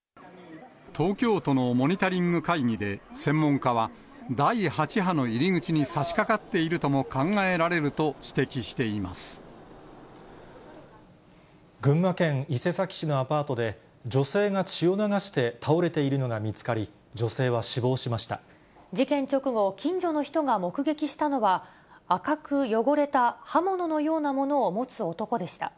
東京都のモニタリング会議で、専門家は、第８波の入り口にさしかかっているとも考えられると指群馬県伊勢崎市のアパートで、女性が血を流して倒れているのが見つかり、事件直後、近所の人が目撃したのは、赤く汚れた刃物のようなものを持つ男でした。